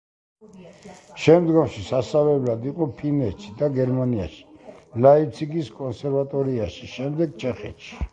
შემდგომში სასწავლებლად იყო ფინეთში და გერმანიაში, ლაიპციგის კონსერვატორიაში, შემდეგ ჩეხეთში.